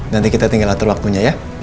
nanti kita tinggal atur waktunya ya